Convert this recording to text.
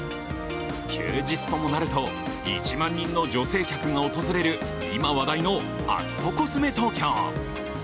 休日ともなると１万人の女性客が訪れる今話題のアットコスメトーキョー。